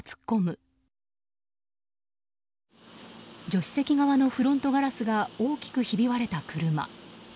助手席側のフロントガラスが大きくひび割れた車。